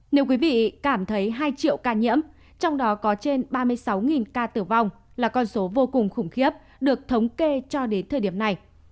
nếu quý vị cảm thấy hai triệu ca nhiễm trong đó có trên ba mươi sáu ca tử vong là con số vô cùng khủng khiếp được thống kê cho đến thời điểm này